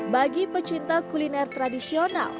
bagi pecinta kuliner tradisional